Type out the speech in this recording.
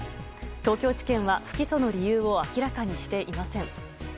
東京地検は不起訴の理由を明らかにしていません。